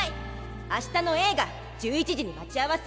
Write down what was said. あしたの映画１１時に待ち合わせ。